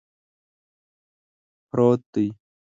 پروت دی